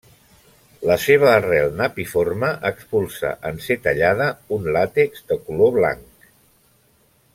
La seva arrel napiforme expulsa, en ser tallada, un làtex de color blanc.